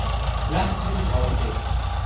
Lassen Sie mich ausreden.